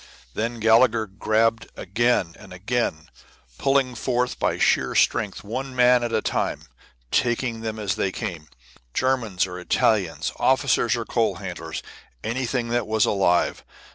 Then Gallagher grabbed again and again, pulling forth by sheer strength one man at a time, taking them as they came, Germans or Italians, officers or coal handlers, anything that was alive.